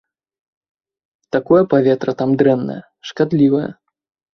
Такое паветра там дрэннае, шкадлівае.